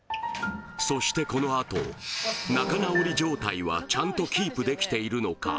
そしてこのあと仲直り状態はちゃんとキープできているのか？